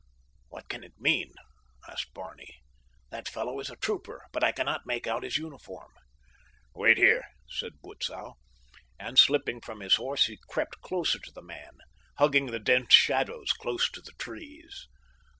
"What can it mean?" asked Barney. "That fellow is a trooper, but I cannot make out his uniform." "Wait here," said Butzow, and slipping from his horse he crept closer to the man, hugging the dense shadows close to the trees.